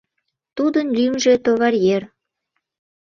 Тудын лӱмжӧ Товаръер.